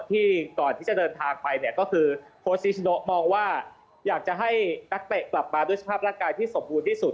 ที่ก่อนที่จะเดินทางไปเนี่ยก็คือโค้ชนิชโนมองว่าอยากจะให้นักเตะกลับมาด้วยสภาพร่างกายที่สมบูรณ์ที่สุด